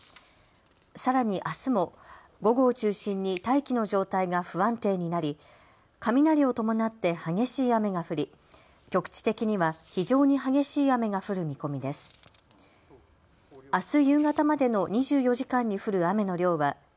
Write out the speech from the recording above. さらにあすも午後を中心に大気の状態が不安定になり雷を伴って激しい雨が降り局地的には非常に激しい雨が降る見込みです。